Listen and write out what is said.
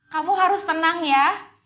kamu harus tenang ya